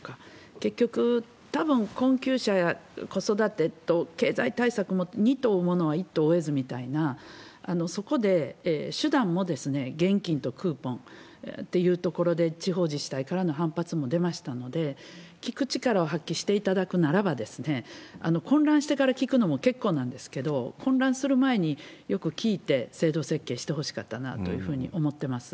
結局、たぶん困窮者や子育てと経済対策も、二兎を追うものは一兎も得ずみたいな、そこで手段も現金とクーポンっていうところで地方自治体からの反発も出ましたので、聞く力を発揮していただくならば、混乱してから聞くのも結構なんですけど、混乱する前によく聞いて、制度設計してほしかったなというふうに思ってます。